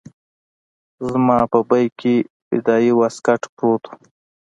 زما په بېګ کښې فدايي واسکټ پروت و.